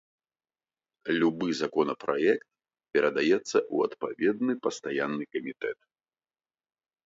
Любы законапраект перадаецца ў адпаведны пастаянны камітэт.